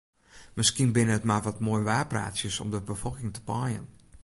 Miskien binne it mar wat moaiwaarpraatsjes om de befolking te paaien.